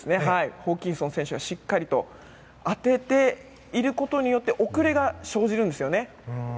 ホーキンソン選手がしっかりと当てていることによって遅れが生じるんですよね。